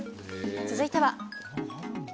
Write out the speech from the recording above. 続いては。